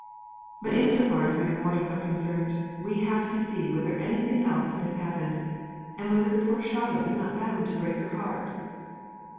But in so far as mere mortals are concerned, we have to see whether anything else could have happened, and whether poor Charlotte was not bound to break her heart?